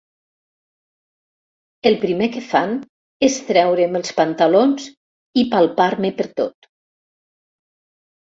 El primer que fan és treure'm els pantalons i palpar-me pertot.